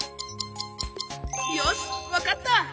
よしわかった！